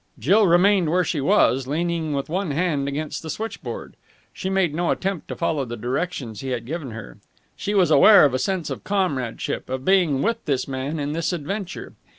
Jill remained where she was, leaning with one hand against the switchboard. She made no attempt to follow the directions he had given her. She was aware of a sense of comradeship, of being with this man in this adventure.